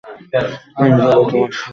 আমি যাবো তোমার সাথে।